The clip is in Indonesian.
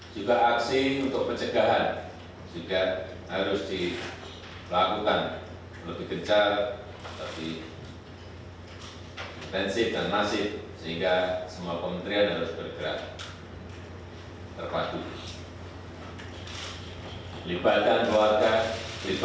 lipatkan komunitas lipatkan media dalam aksi aksi pencegahan ini